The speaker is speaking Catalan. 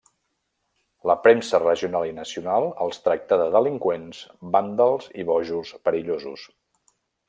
La premsa regional i nacional els tractà de delinqüents, vàndals i bojos perillosos.